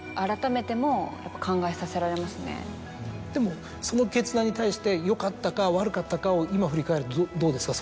でもその決断に対してよかったか悪かったかを今振り返るとどうですか？